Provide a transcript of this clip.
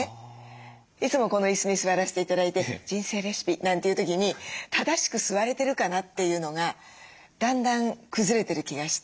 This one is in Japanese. いつもこの椅子に座らせて頂いて「人生レシピ」なんていう時に正しく座れてるかなっていうのがだんだん崩れてる気がして。